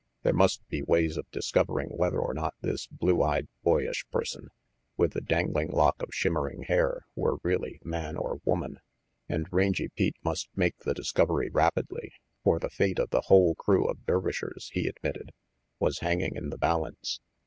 There must be ways of discovering whether or not this blue eyed, boyish person, with the dangling lock of shimmering hair, were really man or woman. And Rangy Pete must make the discovery rapidly, for the fate of the whole crew of Dervishers, he admitted, was hanging in the balance.